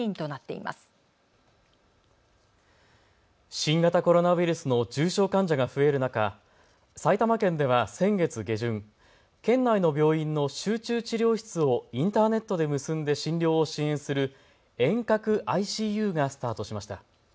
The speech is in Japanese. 新型コロナウイルスの重症患者が増える中、埼玉県では先月下旬、県内の病院の集中治療室をインターネットで結んで診療を支援する遠隔ＩＣＵがスタートしました。